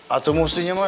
atau mestinya mah